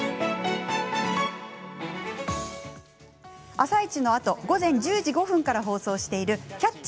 「あさイチ」のあと１０時５分から放送している「キャッチ！